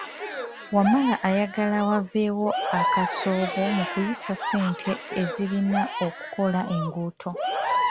Wamala ayagala waveewo akasoobo mu kuyisa ssente ezirina okukola enguudo.